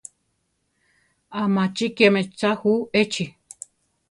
¿Amachíkiame tza ju echi?